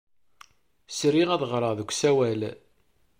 Sriɣ ad ɣreɣ deg usawal.